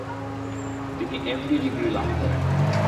তিনি MD degree লাভ করেন।